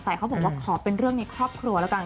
เขาบอกว่าขอเป็นเรื่องในครอบครัวแล้วกัน